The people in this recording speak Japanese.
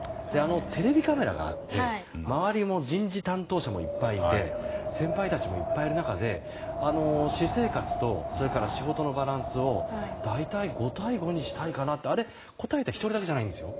テレビカメラがあって、周りも人事担当者もいっぱいいて先輩たちもいっぱいいる中で私生活と仕事のバランスを大体５対５にしたいかなって答えたの１人だけじゃないんですよ。